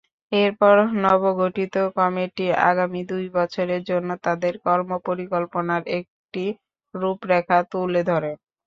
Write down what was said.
এরপর নবগঠিত কমিটি আগামী দুই বছরের জন্য তাদের কর্মপরিকল্পনার একটি রূপরেখা তুলে ধরে।